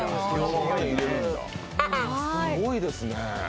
すごいですね。